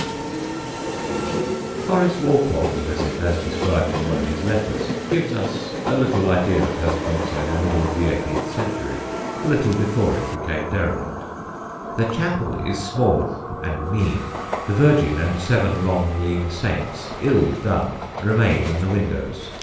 [Sidenote: WALPOLE AT HURSTMONCEUX] Horace Walpole's visit, as described in one of his letters, gives us an idea of Hurstmonceux in the middle of the eighteenth century, a little before it became derelict: "The chapel is small, and mean; the Virgin and seven long lean saints, ill done, remain in the windows.